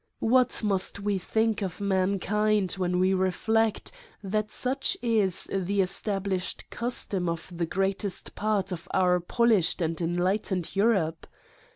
What must we think of mankind when we reflect, that such is the established custom of the greatest part of our polished and enlightened Eu rope